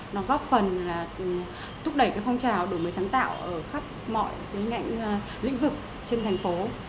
nó góp phần là thúc đẩy cái phong trào đổi mới sáng tạo ở khắp mọi cái nghẽn lĩnh vực trên thành phố